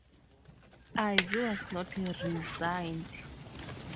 Ivy was not re-signed.